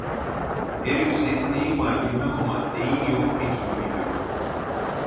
Herif senin neyin var bilmem ama, neyin yok pek iyi biliyorum.